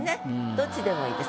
どっちでも良いです。